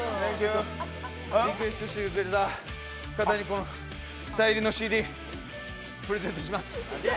リクエストしてくれた方にこのサイン入りのＣＤプレゼントします。